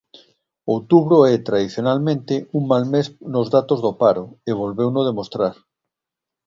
Outubro é tradicionalmente un mal mes nos datos do paro e volveuno demostrar.